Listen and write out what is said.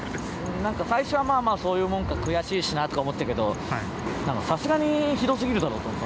なんか最初は、まあまあ、そういうもんか悔しいしなとか思ってたけどさすがにひどすぎるだろうと思って。